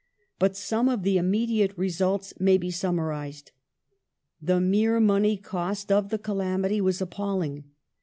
But some of the immediate results may be summarized. The mere money cost of the calamity was appalling.